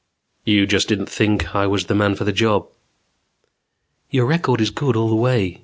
"You just didn't think I was the man for the job." "Your record is good all the way.